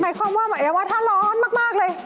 หมายความว่าถ้าร้อนมากเลย